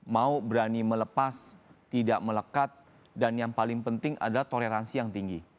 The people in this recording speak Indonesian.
mau berani melepas tidak melekat dan yang paling penting adalah toleransi yang tinggi